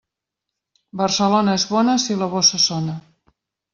Barcelona és bona si la bossa sona.